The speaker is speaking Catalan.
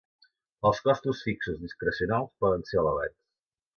Els costos fixos discrecionals poden ser elevats.